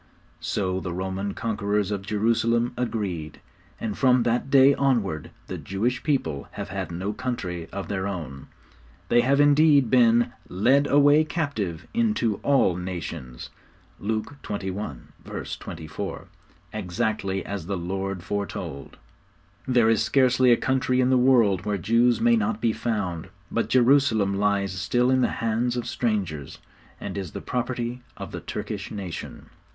So the Roman conquerors of Jerusalem agreed; and from that day onward the Jewish people have had no country of their own. They have, indeed, been 'led away captive into all nations' (Luke xxi. 24) exactly as the Lord foretold. There is scarcely a country in the world where Jews may not be found, but Jerusalem lies still in the hands of strangers, and is the property of the Turkish nation.